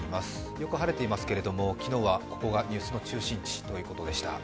よく晴れていますけれども、昨日はここがニュースの中心地ということでした。